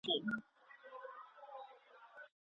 ملا بې درناوي نه وي.